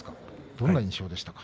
どんな印象でしたか。